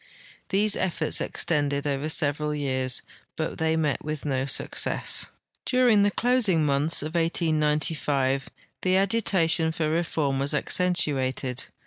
These efforts extended over several years, hut they met with no success. During the closing months of 1895 the agitation for reform was accentuated.